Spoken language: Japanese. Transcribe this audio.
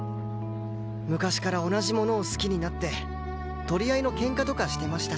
昔から同じものを好きになって取り合いのケンカとかしてましたし。